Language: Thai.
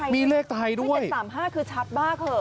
มีเลขไทยด้วยไม่แต่๓๕คือชัดบ้างเหรอ